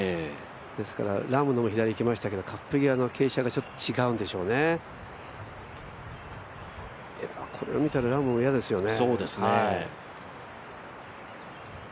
ですからラームのも左にいきましたけれども、カップ際の傾斜がちょっと違うんでしょうね、これを見たらラームも嫌ですよね。